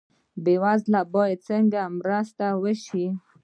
بې وزله باید څنګه مرسته شي؟